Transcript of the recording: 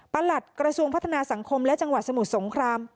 หลัดกระทรวงพัฒนาสังคมและจังหวัดสมุทรสงคราม